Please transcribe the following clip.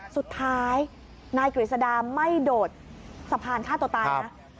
สุดท้ายนายกฤษดาไม่โดดสะพานฆ่าตัวตายนะ